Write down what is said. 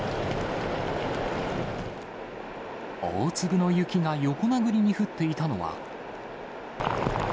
大粒の雪が横殴りに降っていたのは。